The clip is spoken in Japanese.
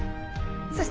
そして。